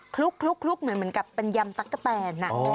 คลุกเหมือนกับปัญยำตั๊กกะแปนน่ะ